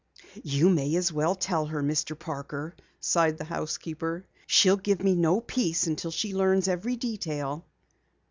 "You may as well tell her, Mr. Parker," sighed the housekeeper. "She'll give me no peace until she learns every detail."